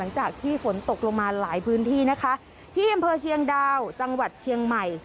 หลังจากที่ฝนตกลงมาหลายพื้นที่นะคะที่อำเภอเชียงดาวจังหวัดเชียงใหม่